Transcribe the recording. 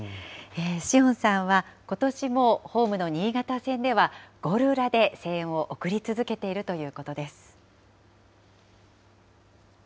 詩音さんはことしもホームの新潟戦では、ゴール裏で声援を送り続けているということです。